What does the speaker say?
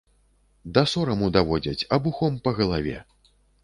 Да сораму даводзяць, абухом па галаве.